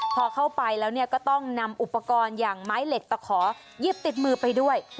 พอเข้าไปแล้วก็ต้องนำอุปกรณ์อย่างไม้เหล็กตะขอหยิบติดมือไปด้วย